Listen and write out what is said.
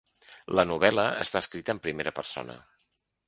La novel·la està escrita en primera persona.